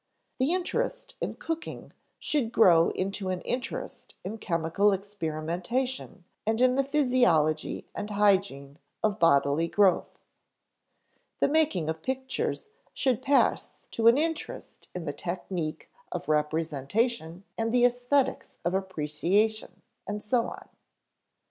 The interest in cooking should grow into an interest in chemical experimentation and in the physiology and hygiene of bodily growth. The making of pictures should pass to an interest in the technique of representation and the æsthetics of appreciation, and so on.